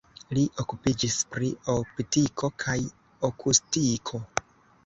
Li okupiĝis pri optiko kaj akustiko.